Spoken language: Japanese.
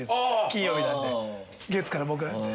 金曜日なんで月から木なんで。